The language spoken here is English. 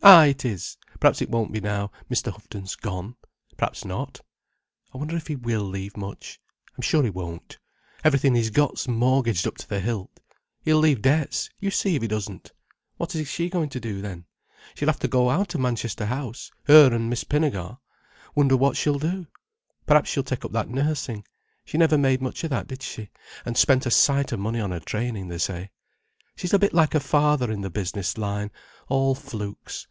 Ay, it is. Perhaps it won't be now Mr. Houghton's gone. Perhaps not. I wonder if he will leave much. I'm sure he won't. Everything he's got's mortgaged up to the hilt. He'll leave debts, you see if he doesn't. What is she going to do then? She'll have to go out of Manchester House—her and Miss Pinnegar. Wonder what she'll do. Perhaps she'll take up that nursing. She never made much of that, did she—and spent a sight of money on her training, they say. She's a bit like her father in the business line—all flukes.